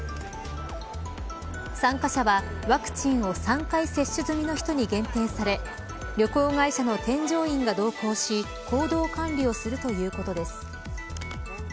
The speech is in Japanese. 参加者はワクチンを３回接種済みの人に限定され旅行会社の添乗員が同行し行動管理をするということです。